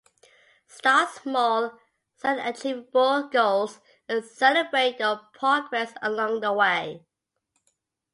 Start small, set achievable goals, and celebrate your progress along the way.